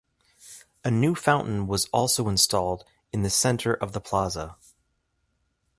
A new fountain was also installed in the center of the plaza.